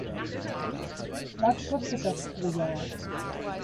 Was kostet das pro Jahr?